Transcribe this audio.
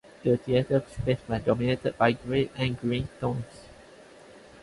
The theatre space was dominated by grey and green tones.